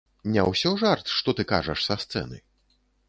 Не ўсё жарт, што ты кажаш са сцэны?